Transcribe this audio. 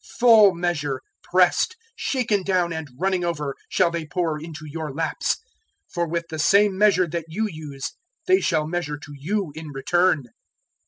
Full measure, pressed, shaken down, and running over, shall they pour into your laps; for with the same measure that you use they shall measure to you in return."